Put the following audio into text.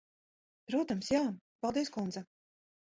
Protams, jā. Paldies, kundze.